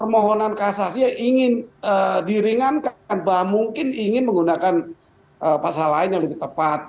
permohonan kasasi yang ingin diringankan bahwa mungkin ingin menggunakan pasal lain yang lebih tepat